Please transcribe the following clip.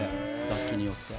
楽器によって。